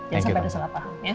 jangan sampai ada salah paham